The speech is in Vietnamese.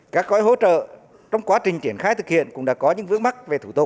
các gói hỗ trợ trong quá trình triển khai thực hiện cũng đã có những vướng mắc về thủ tục